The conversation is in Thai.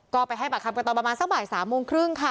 ก็ไปให้ปากคำกันตอนประมาณสักบ่าย๓โมงครึ่งค่ะ